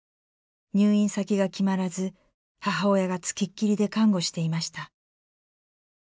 入院先が決まらず母親がつきっきりで看護していました。